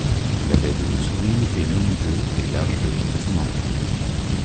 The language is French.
La baie de l'Oussouri est longue de et large de à son entrée.